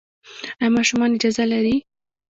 ایا ماشومان اجازه لري؟